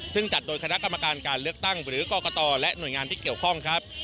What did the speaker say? ซึ่งจัดโดยคณะกรรมการการเลือกตั้งหรือกรกตและหน่วยงานที่เกี่ยวข้องครับ